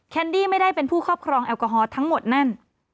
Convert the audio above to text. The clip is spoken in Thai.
แนดี้ไม่ได้เป็นผู้ครอบครองแอลกอฮอล์ทั้งหมดนั่น